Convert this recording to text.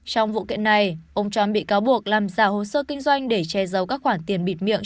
trong vụ kiện này ông trump bị cáo buộc làm giả hồ sơ kinh doanh để che giấu các khoản tiền bịt miệng